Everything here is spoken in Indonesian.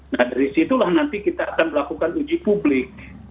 nah dari situlah nanti kita akan melakukan uji publik